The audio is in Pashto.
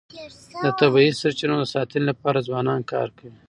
د طبیعي سرچینو د ساتنې لپاره ځوانان کار کوي.